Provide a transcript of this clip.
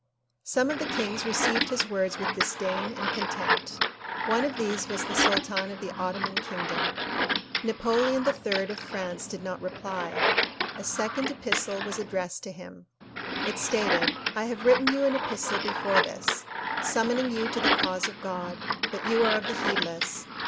Some of the kings re ceived his words with disdain and contempt. One of these was the sultan of the Ottoman kingdom. Napoleon HI of France did not reply. A second epistle was addressed to him. It stated "I have written you an epistle before this, summoning you to the cause of God but you are of the heedless.